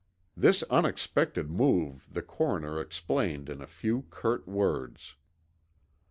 This unexpected move the coroner explained in a few curt words.